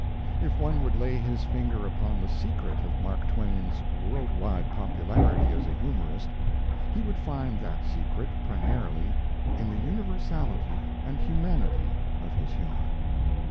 If one would lay his finger upon the secret of Mark Twain's world wide popularity as a humorist, he would find that secret, primarily, in the universality and humanity of his humour.